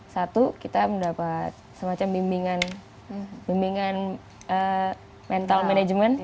satu kita mendapat semacam bimbingan mental management